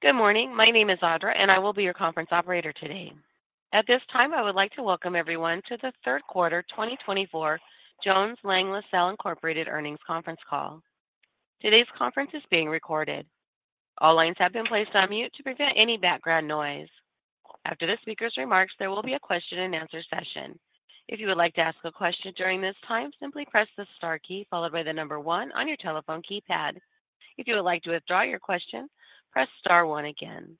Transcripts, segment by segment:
Good morning. My name is Audra, and I will be your conference operator today. At this time, I would like to welcome everyone to the third quarter 2024 Jones Lang LaSalle Incorporated Earnings Conference Call. Today's conference is being recorded. All lines have been placed on mute to prevent any background noise. After the speaker's remarks, there will be a question-and-answer session. If you would like to ask a question during this time, simply press the star key followed by the number one on your telephone keypad. If you would like to withdraw your question, press star one again.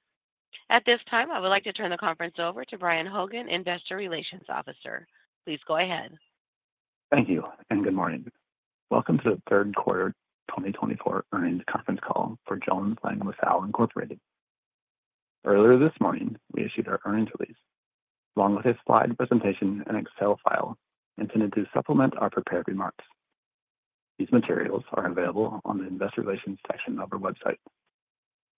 At this time, I would like to turn the conference over to Brian Hogan, Investor Relations Officer. Please go ahead. Thank you, and good morning. Welcome to the third quarter 2024 Earnings Conference Call for Jones Lang LaSalle Incorporated. Earlier this morning, we issued our earnings release, along with a slide presentation and Excel file, intended to supplement our prepared remarks. These materials are available on the Investor Relations section of our website.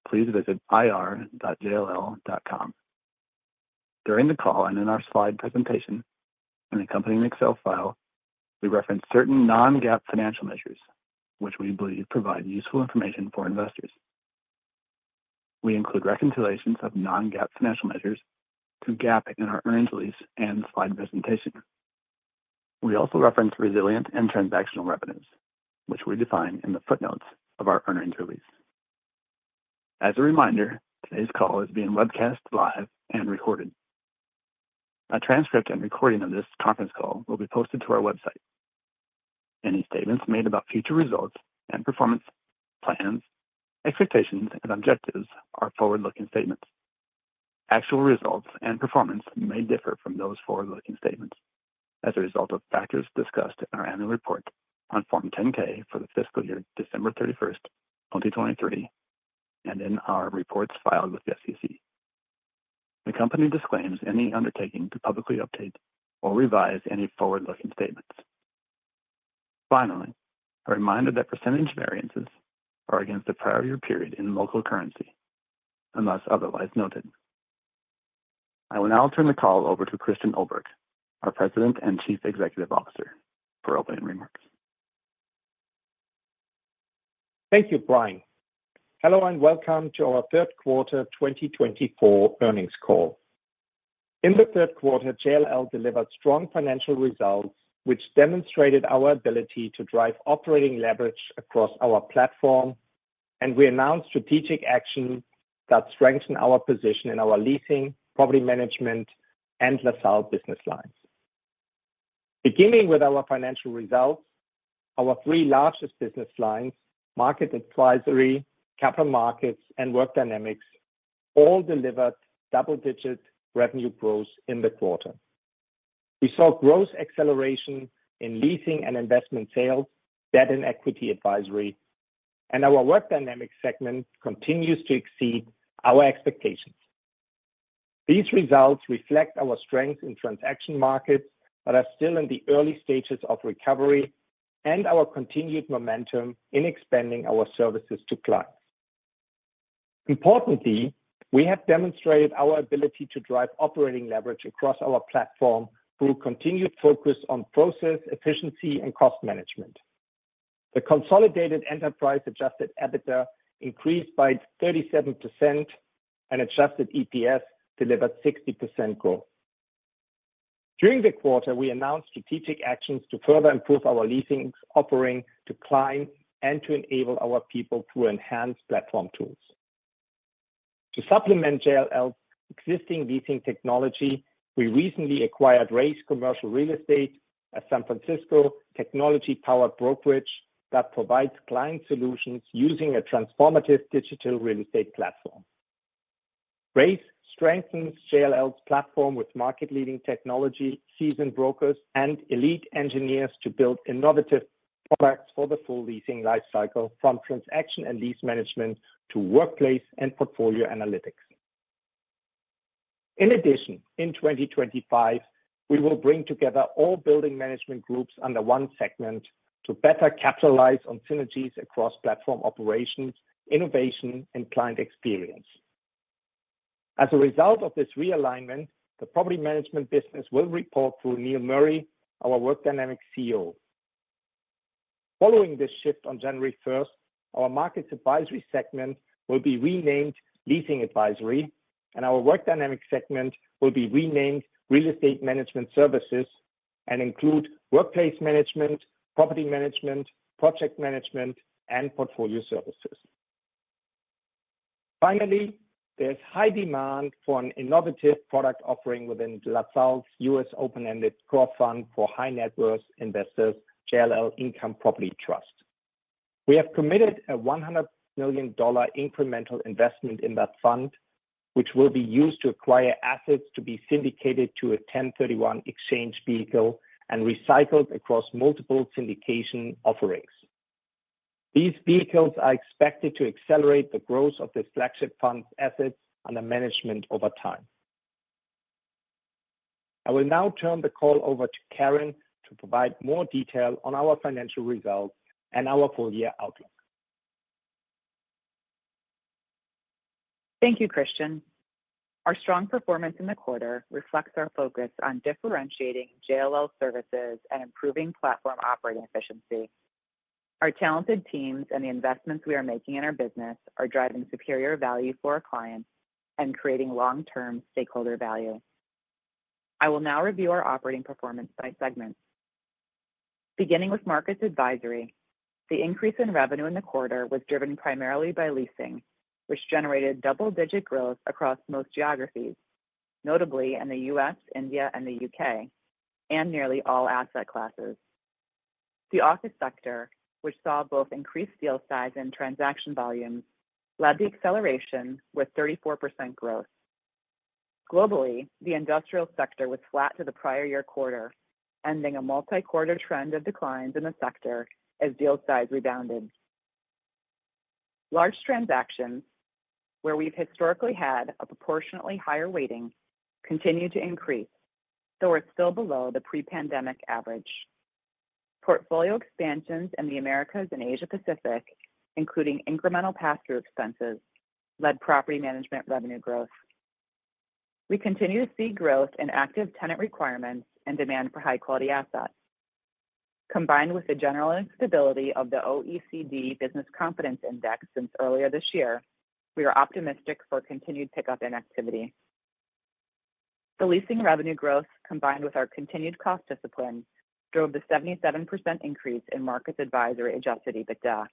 Please visit ir.jll.com. During the call and in our slide presentation and accompanying Excel file, we reference certain non-GAAP financial measures, which we believe provide useful information for investors. We include reconciliations of non-GAAP financial measures to GAAP in our earnings release and slide presentation. We also reference resilient and transactional revenues, which we define in the footnotes of our earnings release. As a reminder, today's call is being webcast live and recorded. A transcript and recording of this conference call will be posted to our website. Any statements made about future results and performance plans, expectations, and objectives are forward-looking statements. Actual results and performance may differ from those forward-looking statements as a result of factors discussed in our annual report on Form 10-K for the fiscal year, December 31st, 2023, and in our reports filed with the SEC. The company disclaims any undertaking to publicly update or revise any forward-looking statements. Finally, a reminder that percentage variances are against the prior year period in local currency unless otherwise noted. I will now turn the call over to Christian Ulbrich, our President and Chief Executive Officer, for opening remarks. Thank you, Brian. Hello and welcome to our third quarter 2024 earnings call. In the third quarter, JLL delivered strong financial results, which demonstrated our ability to drive operating leverage across our platform, and we announced strategic actions that strengthen our position in our leasing, Property Management, and LaSalle business lines. Beginning with our financial results, our three largest business lines, Market Advisory, Capital Markets, and Work Dynamics, all delivered double-digit revenue growth in the quarter. We saw growth acceleration in leasing and investment sales, debt and equity advisory, and our Work Dynamics segment continues to exceed our expectations. These results reflect our strength in transaction markets but are still in the early stages of recovery and our continued momentum in expanding our services to clients. Importantly, we have demonstrated our ability to drive operating leverage across our platform through continued focus on process efficiency and cost management. The consolidated enterprise-adjusted EBITDA increased by 37%, and adjusted EPS delivered 60% growth. During the quarter, we announced strategic actions to further improve our leasing offering to clients and to enable our people through enhanced platform tools. To supplement JLL's existing leasing technology, we recently acquired Raise Commercial Real Estate, a San Francisco technology-powered brokerage that provides client solutions using a transformative digital real estate platform. Raise strengthens JLL's platform with market-leading technology, seasoned brokers, and elite engineers to build innovative products for the full leasing lifecycle, from transaction and lease management to workplace and portfolio analytics. In addition, in 2025, we will bring together all building management groups under one segment to better capitalize on synergies across platform operations, innovation, and client experience. As a result of this realignment, the Property Management business will report through Neil Murray, our Work Dynamics CEO. Following this shift on January 1st, our Market Advisory segment will be renamed Leasing Advisory, and our Work Dynamics segment will be renamed Real Estate Management Services and include Workplace Management, Property Management, Project Management, and Portfolio Services. Finally, there's high demand for an innovative product offering within LaSalle's US Open-Ended Core Fund for high-net-worth investors, JLL Income Property Trust. We have committed a $100 million incremental investment in that fund, which will be used to acquire assets to be syndicated to a 1031 exchange vehicle and recycled across multiple syndication offerings. These vehicles are expected to accelerate the growth of this flagship fund's assets under management over time. I will now turn the call over to Karen to provide more detail on our financial results and our full-year outlook. Thank you, Christian. Our strong performance in the quarter reflects our focus on differentiating JLL services and improving platform operating efficiency. Our talented teams and the investments we are making in our business are driving superior value for our clients and creating long-term stakeholder value. I will now review our operating performance by segments. Beginning with Market Advisory, the increase in revenue in the quarter was driven primarily by leasing, which generated double-digit growth across most geographies, notably in the U.S., India, and the U.K., and nearly all asset classes. The office sector, which saw both increased deal size and transaction volumes, led the acceleration with 34% growth. Globally, the industrial sector was flat to the prior year quarter, ending a multi-quarter trend of declines in the sector as deal size rebounded. Large transactions, where we've historically had a proportionately higher weighting, continue to increase, though we're still below the pre-pandemic average. Portfolio expansions in the Americas and Asia-Pacific, including incremental pass-through expenses, led Property Management revenue growth. We continue to see growth in active tenant requirements and demand for high-quality assets. Combined with the general stability of the OECD Business Confidence Index since earlier this year, we are optimistic for continued pickup in activity. The leasing revenue growth, combined with our continued cost discipline, drove the 77% increase in Market Advisory adjusted EBITDA.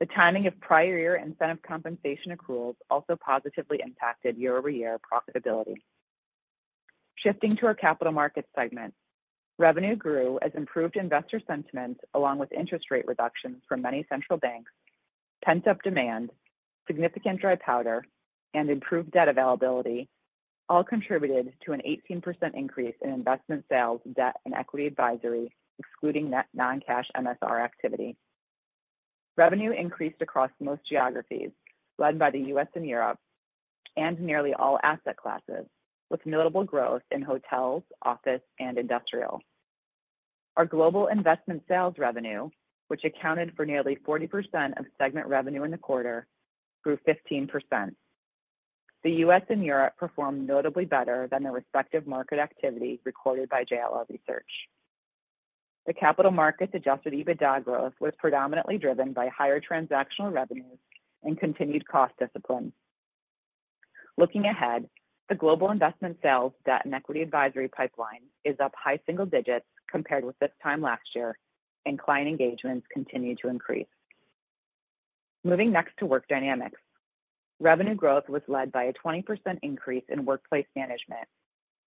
The timing of prior year incentive compensation accruals also positively impacted year-over-year profitability. Shifting to our Capital Markets segment, revenue grew as improved investor sentiment, along with interest rate reductions for many central banks, pent-up demand, significant dry powder, and improved debt availability, all contributed to an 18% increase in investment sales, debt, and equity advisory, excluding net non-cash MSR activity. Revenue increased across most geographies, led by the U.S. and Europe, and nearly all asset classes, with notable growth in hotels, office, and industrial. Our global investment sales revenue, which accounted for nearly 40% of segment revenue in the quarter, grew 15%. The U.S. and Europe performed notably better than their respective market activity recorded by JLL Research. The Capital Markets-adjusted EBITDA growth was predominantly driven by higher transactional revenues and continued cost discipline. Looking ahead, the global investment sales, debt, and equity advisory pipeline is up high single digits compared with this time last year, and client engagements continue to increase. Moving next to Work Dynamics, revenue growth was led by a 20% increase in Workplace Management,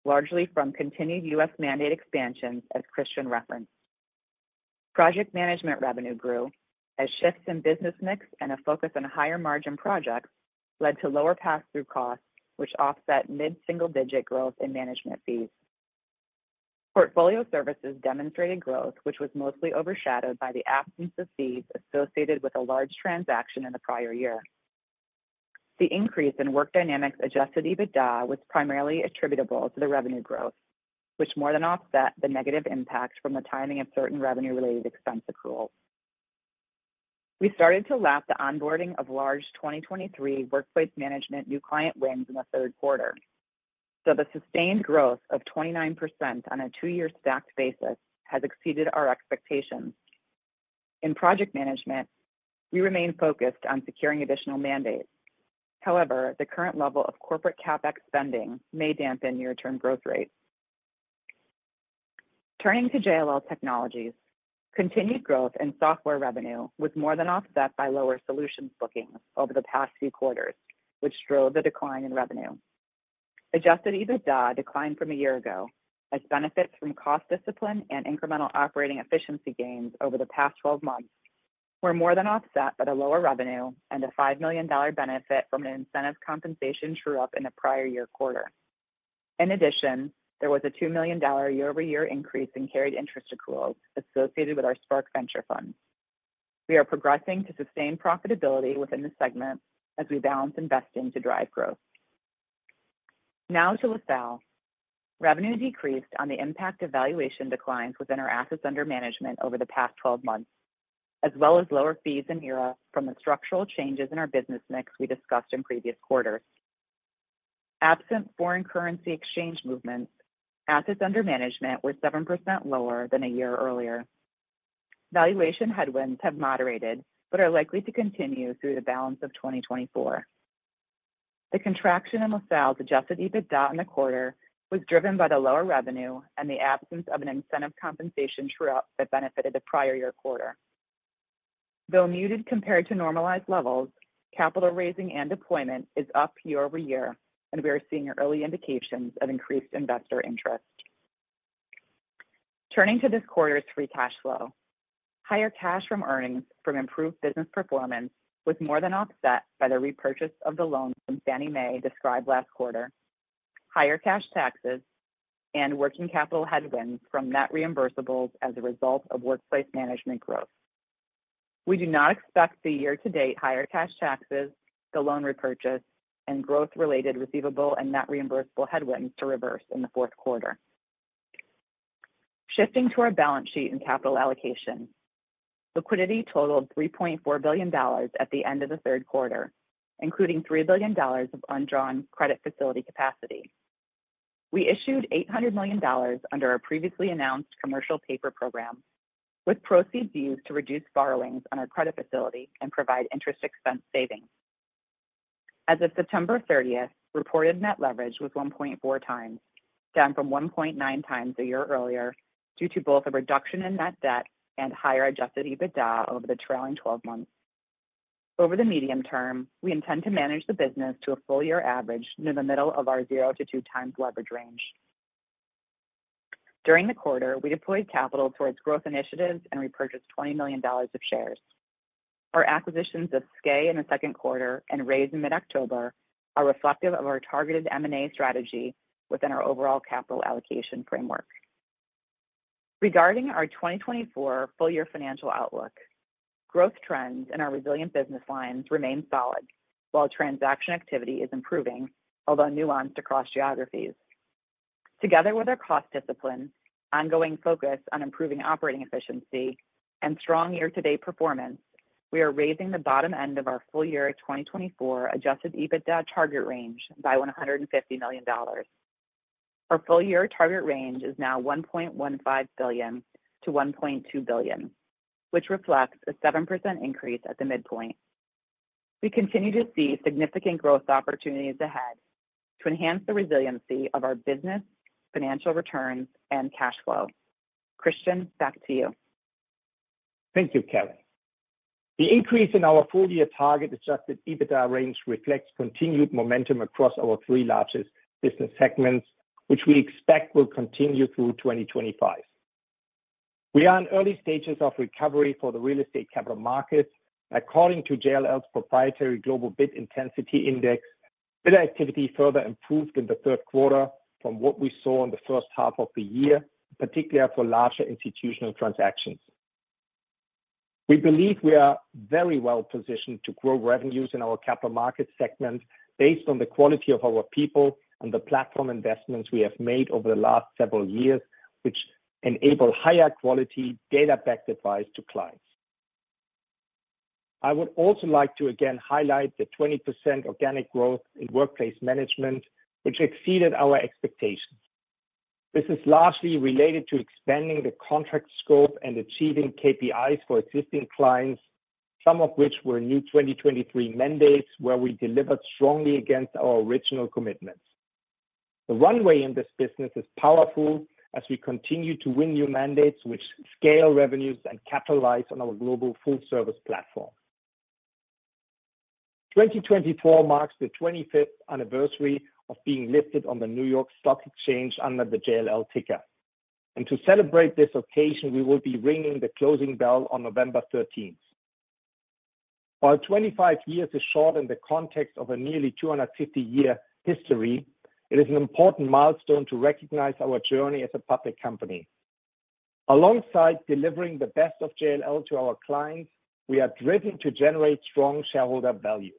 largely from continued US mandate expansions, as Christian referenced. Project Management revenue grew as shifts in business mix and a focus on higher margin projects led to lower pass-through costs, which offset mid-single-digit growth in management fees. Portfolio Services demonstrated growth, which was mostly overshadowed by the absence of fees associated with a large transaction in the prior year. The increase in Work Dynamics-adjusted EBITDA was primarily attributable to the revenue growth, which more than offset the negative impact from the timing of certain revenue-related expense accruals. We started to lap the onboarding of large 2023 Workplace Management new client wins in the third quarter, though the sustained growth of 29% on a two-year stacked basis has exceeded our expectations. In Project Management, we remain focused on securing additional mandates. However, the current level of corporate CapEx spending may dampen near-term growth rates. Turning to JLL Technologies, continued growth in software revenue was more than offset by lower solutions bookings over the past few quarters, which drove the decline in revenue. Adjusted EBITDA declined from a year ago, as benefits from cost discipline and incremental operating efficiency gains over the past 12 months were more than offset by the lower revenue and a $5 million benefit from an incentive compensation true-up in the prior year quarter. In addition, there was a $2 million year-over-year increase in carried interest accruals associated with our Spark Venture Fund. We are progressing to sustained profitability within the segment as we balance investing to drive growth. Now to LaSalle. Revenue decreased from the impact of valuation declines within our assets under management over the past 12 months, as well as lower fees in ERA from the structural changes in our business mix we discussed in previous quarters. Absent foreign currency exchange movements, assets under management were 7% lower than a year earlier. Valuation headwinds have moderated but are likely to continue through the balance of 2024. The contraction in LaSalle's adjusted EBITDA in the quarter was driven by the lower revenue and the absence of an incentive compensation true-up that benefited the prior year quarter. Though muted compared to normalized levels, capital raising and deployment is up year-over-year, and we are seeing early indications of increased investor interest. Turning to this quarter's free cash flow, higher cash from earnings from improved business performance was more than offset by the repurchase of the loan from Fannie Mae described last quarter, higher cash taxes, and working capital headwinds from net reimbursables as a result of Workplace Management growth. We do not expect the year-to-date higher cash taxes, the loan repurchase, and growth-related receivable and net reimbursable headwinds to reverse in the fourth quarter. Shifting to our balance sheet and capital allocation, liquidity totaled $3.4 billion at the end of the third quarter, including $3 billion of undrawn credit facility capacity. We issued $800 million under our previously announced commercial paper program, with proceeds used to reduce borrowings on our credit facility and provide interest expense savings. As of September 30th, reported net leverage was 1.4 times, down from 1.9 times a year earlier due to both a reduction in net debt and higher adjusted EBITDA over the trailing 12 months. Over the medium term, we intend to manage the business to a full-year average near the middle of our zero to two-times leverage range. During the quarter, we deployed capital towards growth initiatives and repurchased $20 million of shares. Our acquisitions of SKAE in the second quarter and Raise in mid-October are reflective of our targeted M&A strategy within our overall capital allocation framework. Regarding our 2024 full-year financial outlook, growth trends in our resilient business lines remain solid, while transaction activity is improving, although nuanced across geographies. Together with our cost discipline, ongoing focus on improving operating efficiency, and strong year-to-date performance, we are raising the bottom end of our full-year 2024 Adjusted EBITDA target range by $150 million. Our full-year target range is now $1.15 billion-$1.2 billion, which reflects a 7% increase at the midpoint. We continue to see significant growth opportunities ahead to enhance the resiliency of our business, financial returns, and cash flow. Christian, back to you. Thank you, Karen. The increase in our full-year target Adjusted EBITDA range reflects continued momentum across our three largest business segments, which we expect will continue through 2025. We are in early stages of recovery for the real estate Capital Markets. According to JLL's proprietary Global Bid Intensity Index, bidder activity further improved in the third quarter from what we saw in the first half of the year, particularly for larger institutional transactions. We believe we are very well positioned to grow revenues in our Capital Markets segment based on the quality of our people and the platform investments we have made over the last several years, which enable higher-quality, data-backed advice to clients. I would also like to again highlight the 20% organic growth in Workplace Management, which exceeded our expectations. This is largely related to expanding the contract scope and achieving KPIs for existing clients, some of which were new 2023 mandates where we delivered strongly against our original commitments. The runway in this business is powerful as we continue to win new mandates which scale revenues and capitalize on our global full-service platform. 2024 marks the 25th anniversary of being listed on the New York Stock Exchange under the JLL ticker, and to celebrate this occasion, we will be ringing the closing bell on November 13th. While 25 years is short in the context of a nearly 250-year history, it is an important milestone to recognize our journey as a public company. Alongside delivering the best of JLL to our clients, we are driven to generate strong shareholder value.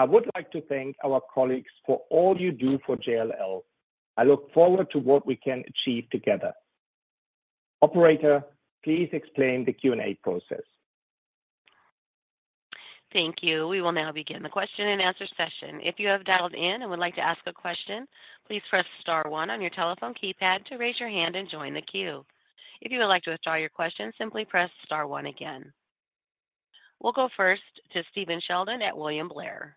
I would like to thank our colleagues for all you do for JLL. I look forward to what we can achieve together. Operator, please explain the Q&A process. Thank you. We will now begin the question-and-answer session. If you have dialed in and would like to ask a question, please press Star 1 on your telephone keypad to raise your hand and join the queue. If you would like to withdraw your question, simply press Star 1 again. We'll go first to Stephen Sheldon at William Blair.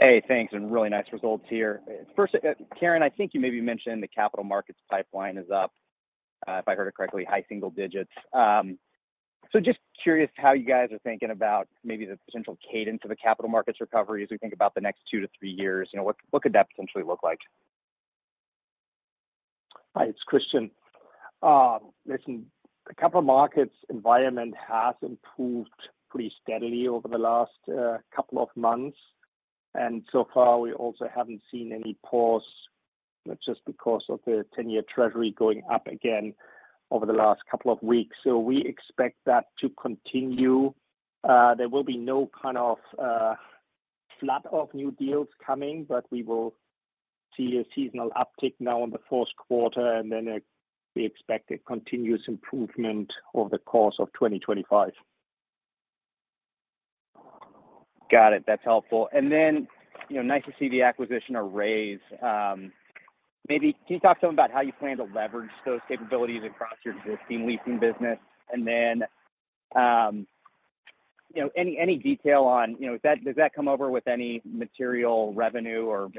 Hey, thanks. And really nice results here. First, Karen, I think you maybe mentioned the Capital Markets pipeline is up, if I heard it correctly, high single digits. So just curious how you guys are thinking about maybe the potential cadence of the Capital Markets recovery as we think about the next two to three years. What could that potentially look like? Hi, it's Christian. Listen, the Capital Markets environment has improved pretty steadily over the last couple of months, and so far, we also haven't seen any pause, just because of the 10-year Treasury going up again over the last couple of weeks, so we expect that to continue. There will be no kind of flood of new deals coming, but we will see a seasonal uptick now in the fourth quarter, and then we expect a continuous improvement over the course of 2025. Got it. That's helpful. And then nice to see the acquisition of Raise. Maybe can you talk to them about how you plan to leverage those capabilities across your existing leasing business? And then any detail on, does that come over with any material revenue, or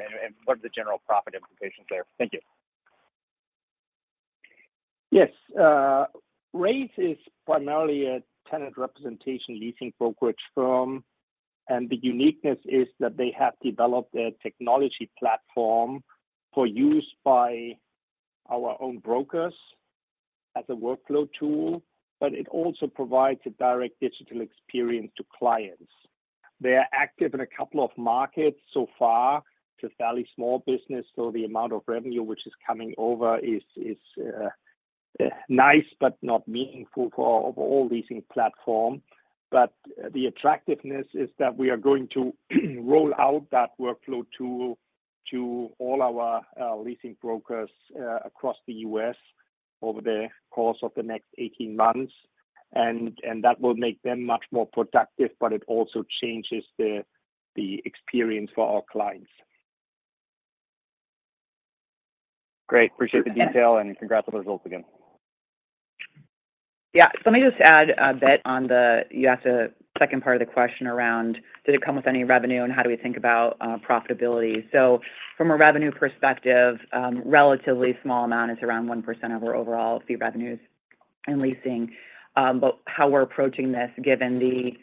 what are the general profit implications there? Thank you. Yes. Raise is primarily a tenant representation leasing brokerage firm. And the uniqueness is that they have developed a technology platform for use by our own brokers as a workflow tool, but it also provides a direct digital experience to clients. They are active in a couple of markets so far. It's a fairly small business, so the amount of revenue which is coming over is nice, but not meaningful for our overall leasing platform. But the attractiveness is that we are going to roll out that workflow tool to all our leasing brokers across the U.S. over the course of the next 18 months. And that will make them much more productive, but it also changes the experience for our clients. Great. Appreciate the detail and congrats on the results again. Yeah. So let me just add a bit on the second part of the question around, did it come with any revenue, and how do we think about profitability? So from a revenue perspective, a relatively small amount is around 1% of our overall fee revenues in leasing. But how we're approaching this, given the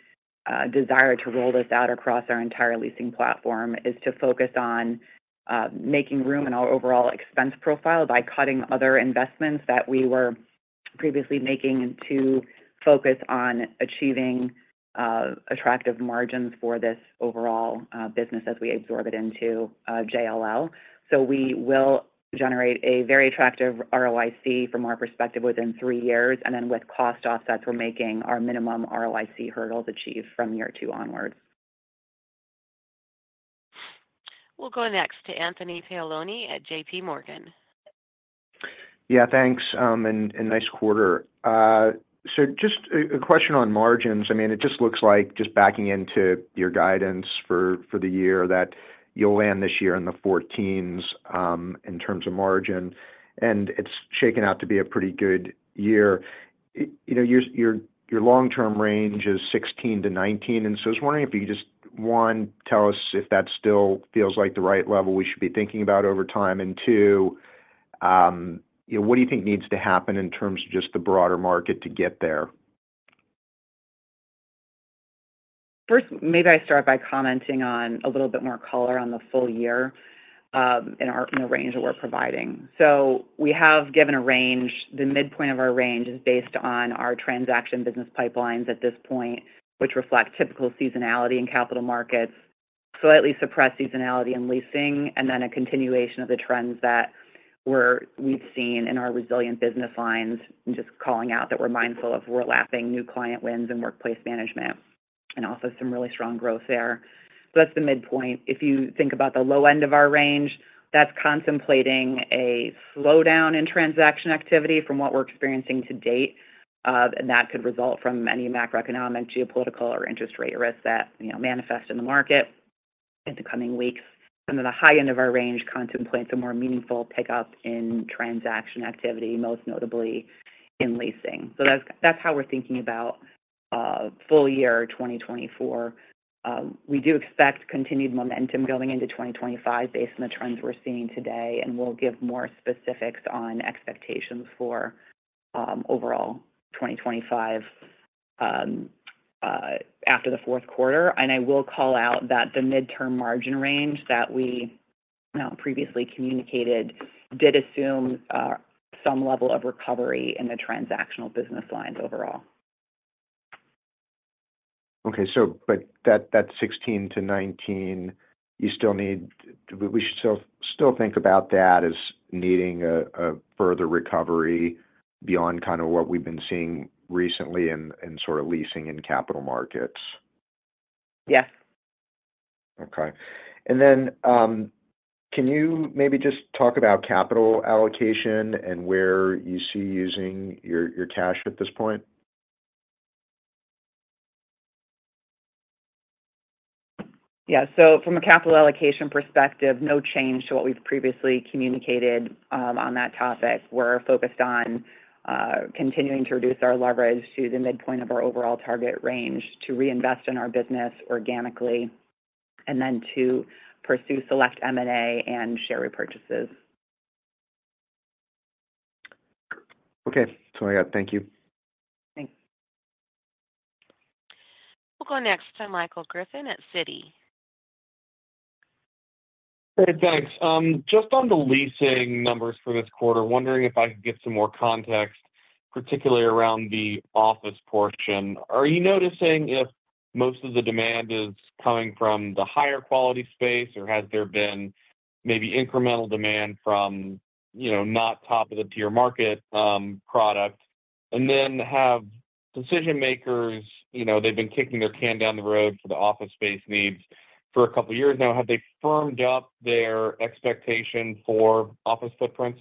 desire to roll this out across our entire leasing platform, is to focus on making room in our overall expense profile by cutting other investments that we were previously making to focus on achieving attractive margins for this overall business as we absorb it into JLL. So we will generate a very attractive ROIC from our perspective within three years. And then with cost offsets, we're making our minimum ROIC hurdles achieved from year two onwards. We'll go next to Anthony Paolone at J.P. Morgan. Yeah, thanks. And nice quarter. So just a question on margins. I mean, it just looks like, just backing into your guidance for the year, that you'll land this year in the 14s in terms of margin. And it's shaken out to be a pretty good year. Your long-term range is 16%-19%. And so I was wondering if you could just, one, tell us if that still feels like the right level we should be thinking about over time. And two, what do you think needs to happen in terms of just the broader market to get there? First, maybe I start by commenting on a little bit more color on the full year in the range that we're providing. So we have given a range. The midpoint of our range is based on our transaction business pipelines at this point, which reflect typical seasonality in Capital Markets, slightly suppressed seasonality in leasing, and then a continuation of the trends that we've seen in our resilient business lines, and just calling out that we're mindful of overlapping new client wins and Workplace Management, and also some really strong growth there. So that's the midpoint. If you think about the low end of our range, that's contemplating a slowdown in transaction activity from what we're experiencing to date. And that could result from any macroeconomic, geopolitical, or interest rate risks that manifest in the market in the coming weeks. Then the high end of our range contemplates a more meaningful pickup in transaction activity, most notably in leasing. That's how we're thinking about full year 2024. We do expect continued momentum going into 2025 based on the trends we're seeing today, and we'll give more specifics on expectations for overall 2025 after the fourth quarter. I will call out that the midterm margin range that we previously communicated did assume some level of recovery in the transactional business lines overall. Okay. But that 16-19, you still need. We should still think about that as needing a further recovery beyond kind of what we've been seeing recently in sort of leasing and Capital Markets. Yes. Okay. And then can you maybe just talk about capital allocation and where you see using your cash at this point? Yeah. So from a capital allocation perspective, no change to what we've previously communicated on that topic. We're focused on continuing to reduce our leverage to the midpoint of our overall target range to reinvest in our business organically, and then to pursue select M&A and share repurchases. Okay. That's all I got. Thank you. Thanks. We'll go next to Michael Griffin at Citi. Hey, thanks. Just on the leasing numbers for this quarter, wondering if I could get some more context, particularly around the office portion? Are you noticing if most of the demand is coming from the higher quality space, or has there been maybe incremental demand from not top-of-the-tier market product? And then have decision-makers, they've been kicking their can down the road for the office space needs for a couple of years now. Have they firmed up their expectation for office footprints?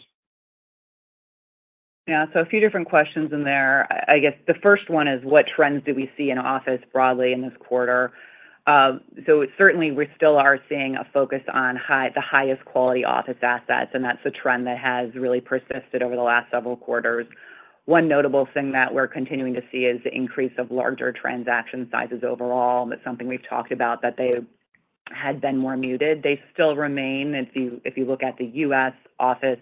Yeah. So a few different questions in there. I guess the first one is, what trends do we see in office broadly in this quarter? So certainly, we still are seeing a focus on the highest quality office assets, and that's a trend that has really persisted over the last several quarters. One notable thing that we're continuing to see is the increase of larger transaction sizes overall. That's something we've talked about, that they had been more muted. They still remain. If you look at the U.S. office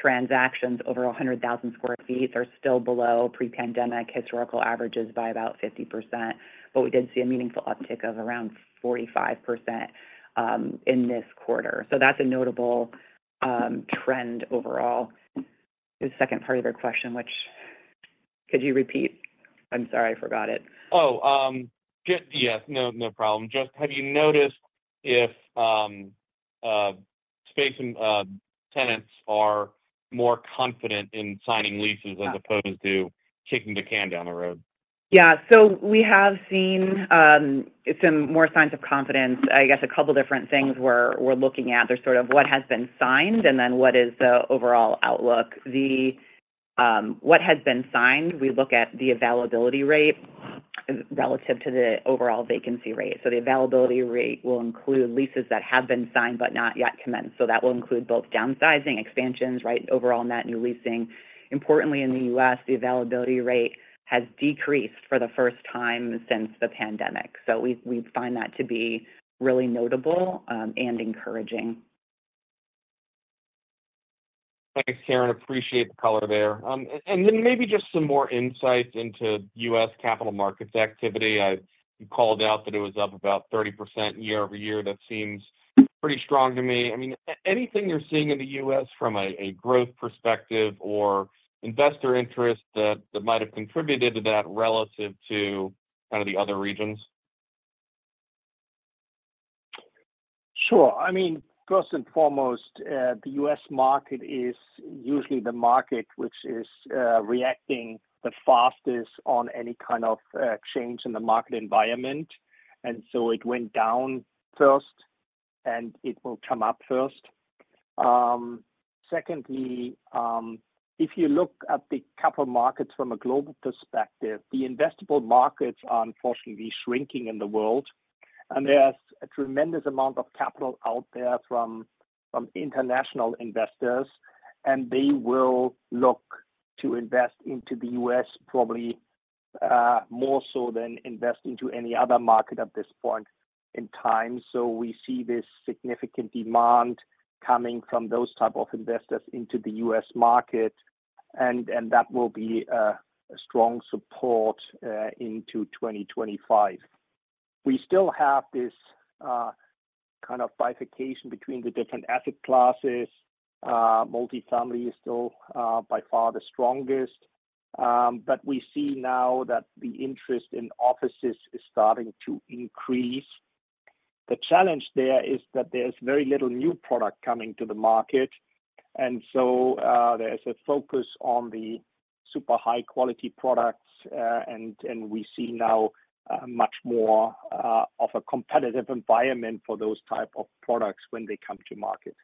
transactions, over 100,000 sq ft are still below pre-pandemic historical averages by about 50%. But we did see a meaningful uptick of around 45% in this quarter. So that's a notable trend overall. It was the second part of your question, which, could you repeat? I'm sorry, I forgot it. Oh, yeah. No problem. Just have you noticed if space tenants are more confident in signing leases as opposed to kicking the can down the road? Yeah. So we have seen some more signs of confidence. I guess a couple of different things we're looking at are sort of what has been signed and then what is the overall outlook. What has been signed, we look at the availability rate relative to the overall vacancy rate. So the availability rate will include leases that have been signed but not yet commenced. So that will include both downsizing, expansions, right, overall net new leasing. Importantly, in the U.S., the availability rate has decreased for the first time since the pandemic. So we find that to be really notable and encouraging. Thanks, Karen. Appreciate the color there. And then maybe just some more insight into U.S. Capital Markets activity. You called out that it was up about 30% year-over-year. That seems pretty strong to me. I mean, anything you're seeing in the U.S. from a growth perspective or investor interest that might have contributed to that relative to kind of the other regions? Sure. I mean, first and foremost, the U.S. market is usually the market which is reacting the fastest on any kind of change in the market environment. And so it went down first, and it will come up first. Secondly, if you look at the Capital Markets from a global perspective, the investable markets are unfortunately shrinking in the world. And there's a tremendous amount of capital out there from international investors, and they will look to invest into the U.S. probably more so than invest into any other market at this point in time. So we see this significant demand coming from those types of investors into the U.S. market, and that will be a strong support into 2025. We still have this kind of bifurcation between the different asset classes. Multifamily is still by far the strongest. We see now that the interest in offices is starting to increase. The challenge there is that there's very little new product coming to the market. So there's a focus on the super high-quality products, and we see now much more of a competitive environment for those types of products when they come to market.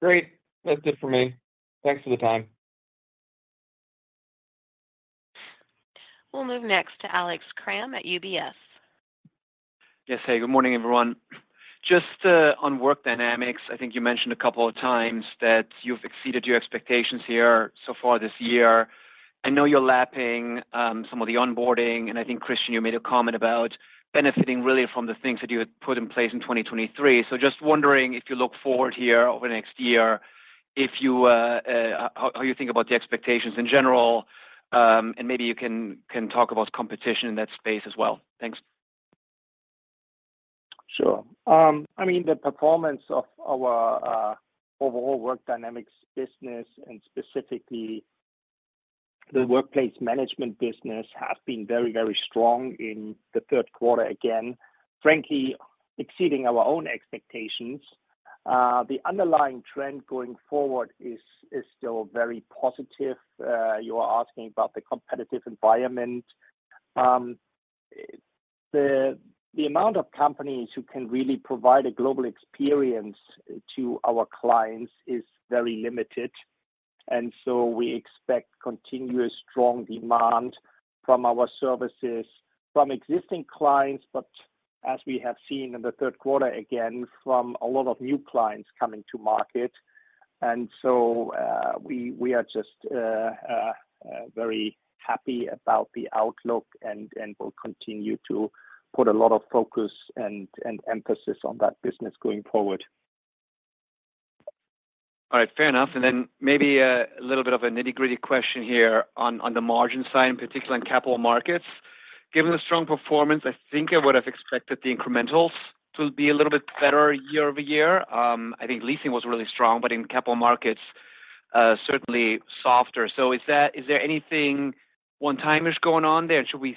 Great. That's good for me. Thanks for the time. We'll move next to Alex Kram at UBS. Yes. Hey, good morning, everyone. Just on Work Dynamics, I think you mentioned a couple of times that you've exceeded your expectations here so far this year. I know you're lapping some of the onboarding, and I think, Christian, you made a comment about benefiting really from the things that you had put in place in 2023. So just wondering if you look forward here over the next year, how you think about the expectations in general, and maybe you can talk about competition in that space as well. Thanks. Sure. I mean, the performance of our overall Work Dynamics business, and specifically the Workplace Management business, has been very, very strong in the third quarter again, frankly, exceeding our own expectations. The underlying trend going forward is still very positive. You were asking about the competitive environment. The amount of companies who can really provide a global experience to our clients is very limited. And so we expect continuous strong demand from our services from existing clients, but as we have seen in the third quarter again, from a lot of new clients coming to market. And so we are just very happy about the outlook and will continue to put a lot of focus and emphasis on that business going forward. All right. Fair enough. And then maybe a little bit of a nitty-gritty question here on the margin side, in particular in Capital Markets. Given the strong performance, I think I would have expected the incrementals to be a little bit better year-over-year. I think leasing was really strong, but in Capital Markets, certainly softer. So is there anything one-timer going on there? Should we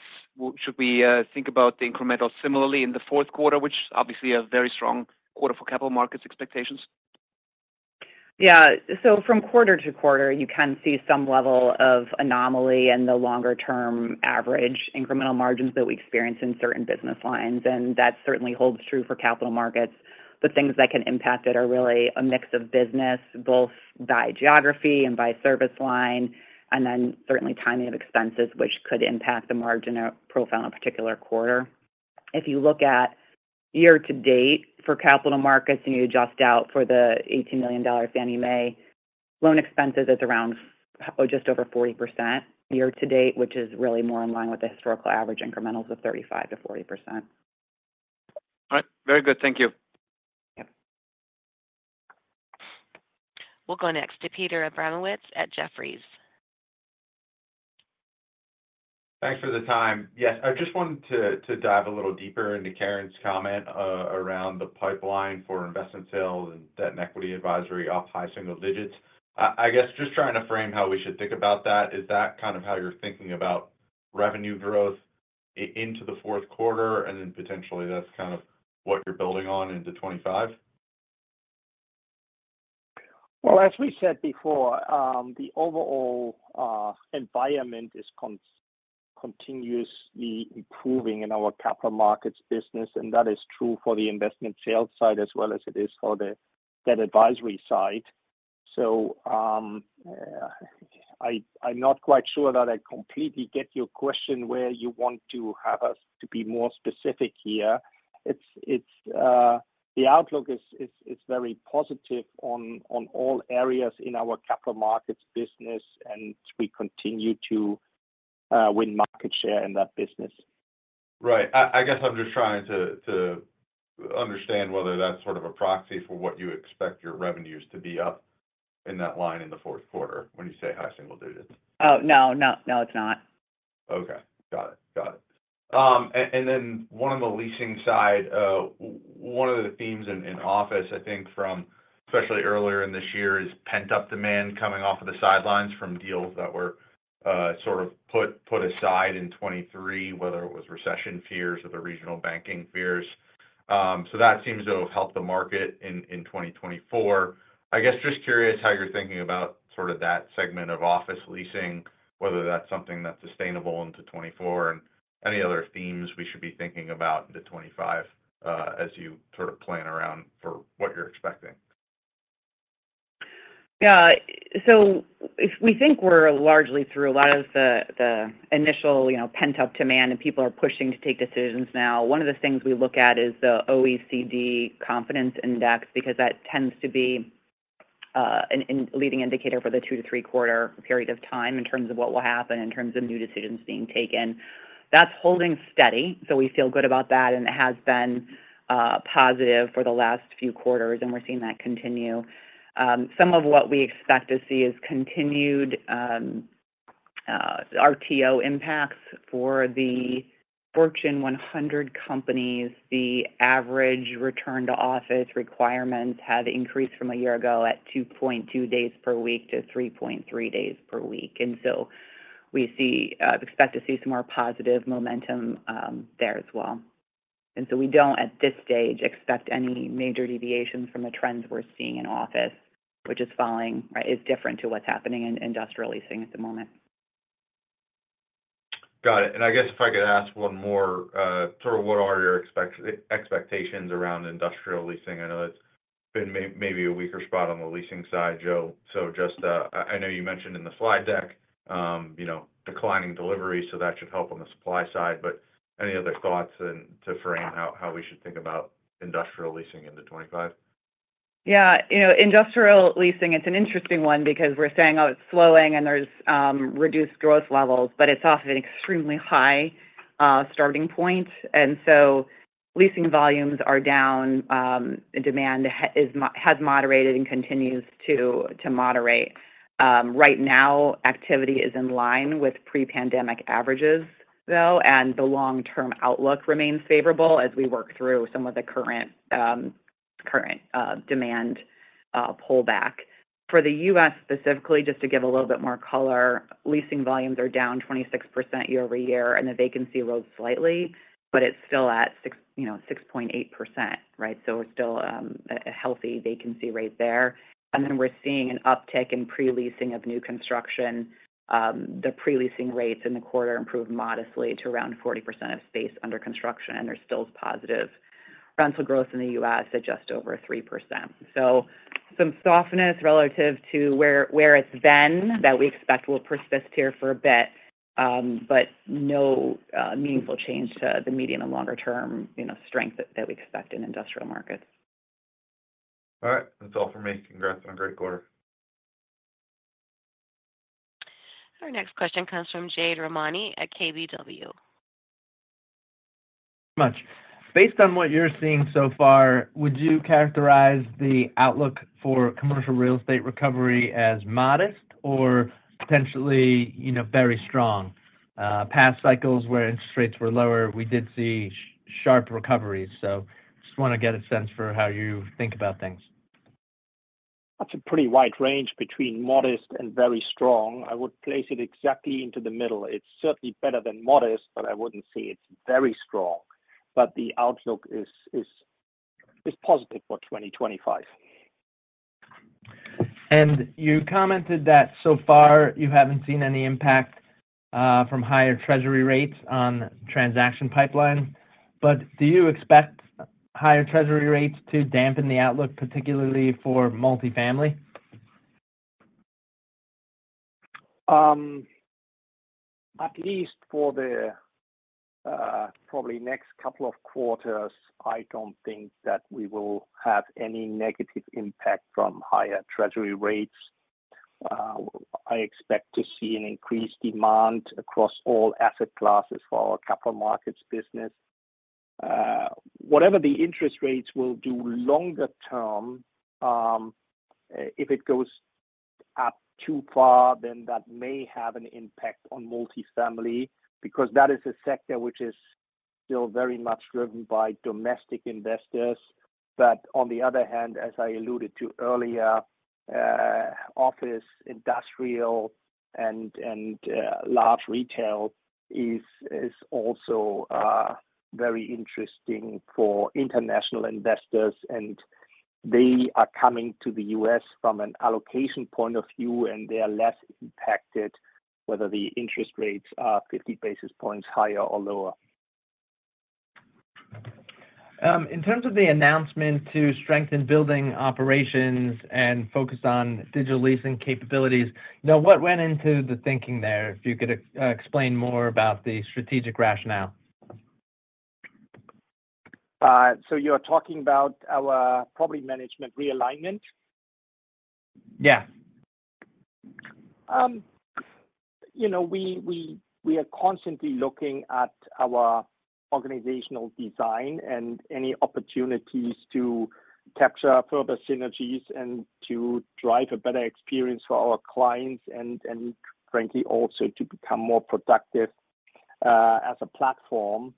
think about the incremental similarly in the fourth quarter, which is obviously a very strong quarter for Capital Markets expectations? Yeah. From quarter to quarter, you can see some level of anomaly in the longer-term average incremental margins that we experience in certain business lines. That certainly holds true for Capital Markets. The things that can impact it are really a mix of business, both by geography and by service line, and then certainly timing of expenses, which could impact the margin profile in a particular quarter. If you look at year to date for Capital Markets and you adjust out for the $18 million Fannie Mae loan expenses, it's around just over 40% year to date, which is really more in line with the historical average incrementals of 35%-40%. All right. Very good. Thank you. Yep. We'll go next to Peter Abramowitz at Jefferies. Thanks for the time. Yes. I just wanted to dive a little deeper into Karen's comment around the pipeline for investment sales and debt and equity advisory up high single digits. I guess just trying to frame how we should think about that. Is that kind of how you're thinking about revenue growth into the fourth quarter? And then potentially, that's kind of what you're building on into 2025? As we said before, the overall environment is continuously improving in our Capital Markets business, and that is true for the investment sales side as well as it is for the debt advisory side. So I'm not quite sure that I completely get your question where you want to have us to be more specific here. The outlook is very positive on all areas in our Capital Markets business, and we continue to win market share in that business. Right. I guess I'm just trying to understand whether that's sort of a proxy for what you expect your revenues to be up in that line in the fourth quarter when you say high single digits? Oh, no. No, it's not. Okay. Got it. Got it. And then one on the leasing side, one of the themes in office, I think, from especially earlier in this year is pent-up demand coming off of the sidelines from deals that were sort of put aside in 2023, whether it was recession fears or the regional banking fears. So that seems to have helped the market in 2024. I guess just curious how you're thinking about sort of that segment of office leasing, whether that's something that's sustainable into 2024, and any other themes we should be thinking about into 2025 as you sort of plan around for what you're expecting? Yeah. So we think we're largely through a lot of the initial pent-up demand, and people are pushing to take decisions now. One of the things we look at is the OECD Confidence Index because that tends to be a leading indicator for the two- to three-quarter period of time in terms of what will happen in terms of new decisions being taken. That's holding steady, so we feel good about that, and it has been positive for the last few quarters, and we're seeing that continue. Some of what we expect to see is continued RTO impacts for the Fortune 100 companies. The average return to office requirements have increased from a year ago at 2.2 days per week to 3.3 days per week. And so we expect to see some more positive momentum there as well. And so we don't, at this stage, expect any major deviations from the trends we're seeing in office, which is different to what's happening in industrial leasing at the moment. Got it, and I guess if I could ask one more, sort of what are your expectations around industrial leasing? I know it's been maybe a weaker spot on the leasing side, Joe, so I know you mentioned in the slide deck declining delivery, so that should help on the supply side, but any other thoughts to frame how we should think about industrial leasing into 2025? Yeah. Industrial leasing, it's an interesting one because we're saying, "Oh, it's slowing," and there's reduced growth levels, but it's off an extremely high starting point. And so leasing volumes are down, and demand has moderated and continues to moderate. Right now, activity is in line with pre-pandemic averages, though, and the long-term outlook remains favorable as we work through some of the current demand pullback. For the US specifically, just to give a little bit more color, leasing volumes are down 26% year-over-year, and the vacancy rose slightly, but it's still at 6.8%, right? So we're still a healthy vacancy rate there. And then we're seeing an uptick in pre-leasing of new construction. The pre-leasing rates in the quarter improved modestly to around 40% of space under construction, and there's still positive rental growth in the US at just over 3%. So some softness relative to where it's been, that we expect will persist here for a bit, but no meaningful change to the medium and longer-term strength that we expect in industrial markets. All right. That's all for me. Congrats on a great quarter. Our next question comes from Jade Rahmani at KBW. Thanks so much. Based on what you're seeing so far, would you characterize the outlook for commercial real estate recovery as modest or potentially very strong? Past cycles where interest rates were lower, we did see sharp recoveries. So just want to get a sense for how you think about things. That's a pretty wide range between modest and very strong. I would place it exactly into the middle. It's certainly better than modest, but I wouldn't say it's very strong. But the outlook is positive for 2025. And you commented that so far you haven't seen any impact from higher Treasury rates on transaction pipelines. But do you expect higher Treasury rates to dampen the outlook, particularly for multifamily? At least for the probably next couple of quarters, I don't think that we will have any negative impact from higher treasury rates. I expect to see an increased demand across all asset classes for our Capital Markets business. Whatever the interest rates will do longer term, if it goes up too far, then that may have an impact on multifamily because that is a sector which is still very much driven by domestic investors. But on the other hand, as I alluded to earlier, office, industrial, and large retail is also very interesting for international investors, and they are coming to the U.S. from an allocation point of view, and they are less impacted whether the interest rates are 50 basis points higher or lower. In terms of the announcement to strengthen building operations and focus on digital leasing capabilities, what went into the thinking there? If you could explain more about the strategic rationale? So you are talking about our Property Management realignment? Yeah. We are constantly looking at our organizational design and any opportunities to capture further synergies and to drive a better experience for our clients and, frankly, also to become more productive as a platform.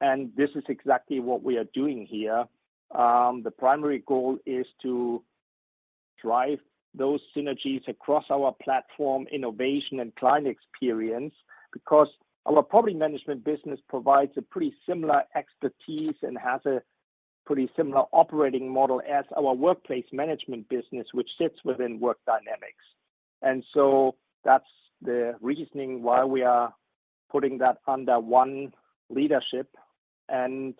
And this is exactly what we are doing here. The primary goal is to drive those synergies across our platform, innovation, and client experience because our Property Management business provides a pretty similar expertise and has a pretty similar operating model as our Workplace Management business, which sits within Work Dynamics. And so that's the reasoning why we are putting that under one leadership. And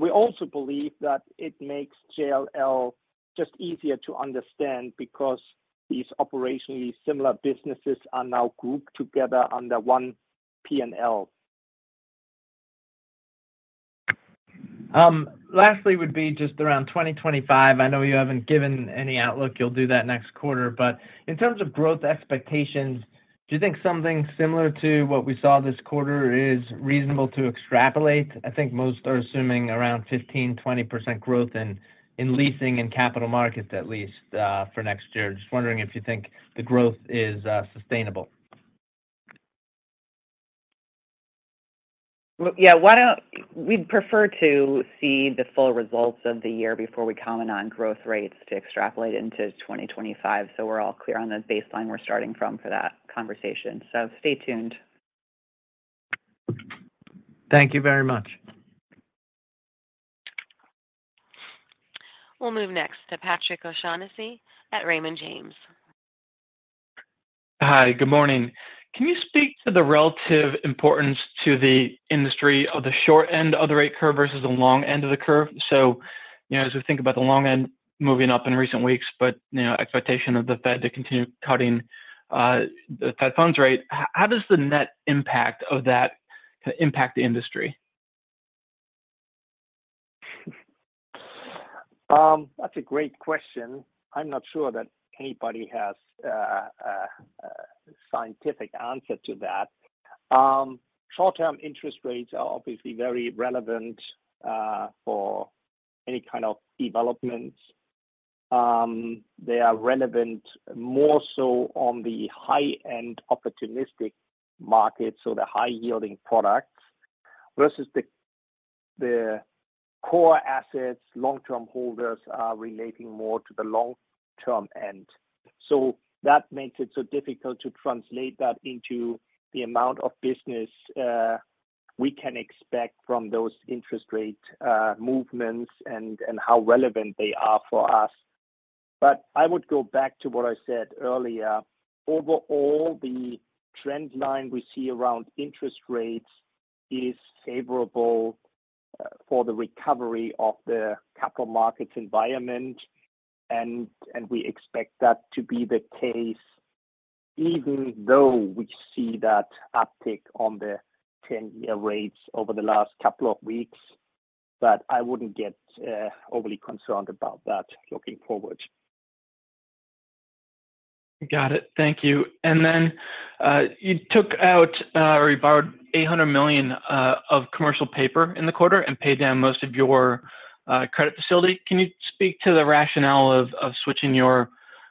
we also believe that it makes JLL just easier to understand because these operationally similar businesses are now grouped together under one P&L. Lastly, it would be just around 2025. I know you haven't given any outlook. You'll do that next quarter. But in terms of growth expectations, do you think something similar to what we saw this quarter is reasonable to extrapolate? I think most are assuming around 15%-20% growth in leasing and Capital Markets, at least, for next year. Just wondering if you think the growth is sustainable. Yeah. We'd prefer to see the full results of the year before we comment on growth rates to extrapolate into 2025 so we're all clear on the baseline we're starting from for that conversation. So stay tuned. Thank you very much. We'll move next to Patrick O'Shaughnessy at Raymond James. Hi. Good morning. Can you speak to the relative importance to the industry of the short end of the rate curve versus the long end of the curve? So as we think about the long end moving up in recent weeks, but expectation of the Fed to continue cutting the Fed funds rate, how does the net impact of that impact the industry? That's a great question. I'm not sure that anybody has a scientific answer to that. Short-term interest rates are obviously very relevant for any kind of developments. They are relevant more so on the high-end opportunistic markets, so the high-yielding products, versus the core assets. Long-term holders are relating more to the long-term end. So that makes it so difficult to translate that into the amount of business we can expect from those interest rate movements and how relevant they are for us. But I would go back to what I said earlier. Overall, the trend line we see around interest rates is favorable for the recovery of the Capital Markets environment, and we expect that to be the case even though we see that uptick on the 10-year rates over the last couple of weeks. But I wouldn't get overly concerned about that looking forward. Got it. Thank you. And then you took out or you borrowed $800 million of commercial paper in the quarter and paid down most of your credit facility. Can you speak to the rationale of switching your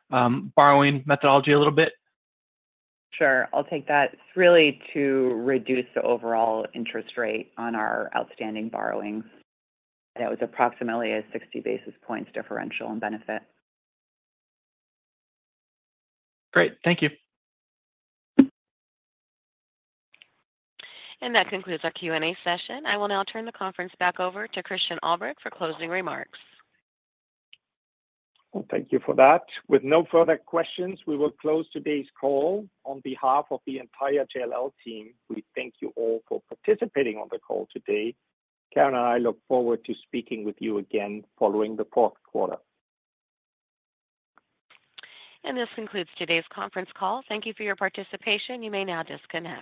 borrowing methodology a little bit? Sure. I'll take that. It's really to reduce the overall interest rate on our outstanding borrowings. That was approximately a 60 basis points differential in benefit. Great. Thank you. That concludes our Q&A session. I will now turn the conference back over to Christian Ulbrich for closing remarks. Thank you for that. With no further questions, we will close today's call. On behalf of the entire JLL team, we thank you all for participating on the call today. Karen and I look forward to speaking with you again following the fourth quarter. This concludes today's conference call. Thank you for your participation. You may now disconnect.